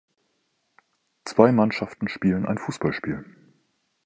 Zwei Mannschaften spielen ein Fußballspiel.